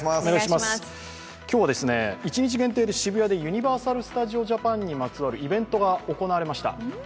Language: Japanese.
今日は、一日限定で渋谷でユニバーサル・スタジオ・ジャパンにまつわるイベントが行われました。